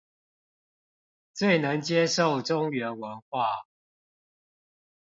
最能接受中原文化